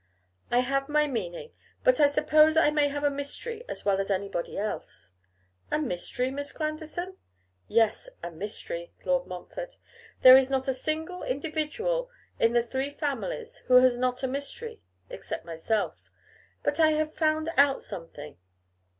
'I have my meaning; but I suppose I may have a mystery as well as anybody else.' 'A mystery, Miss Grandison?' 'Yes! a mystery, Lord Montfort. There is not a single individual in the three families who has not a mystery, except myself; but I have found out something.